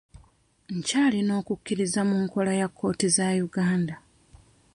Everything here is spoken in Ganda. Nkyalina okukkiriza mu nkola ya kkooti za Uganda.